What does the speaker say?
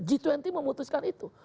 g dua puluh memutuskan itu